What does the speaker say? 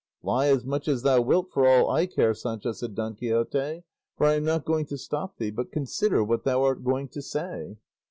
"Lie as much as thou wilt for all I care, Sancho," said Don Quixote, "for I am not going to stop thee, but consider what thou art going to say."